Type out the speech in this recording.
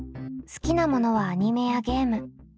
好きなものはアニメやゲーム。